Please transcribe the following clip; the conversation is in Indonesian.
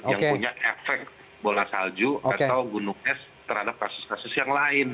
yang punya efek bola salju atau gunung es terhadap kasus kasus yang lain